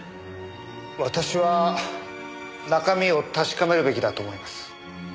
私は中身を確かめるべきだと思います。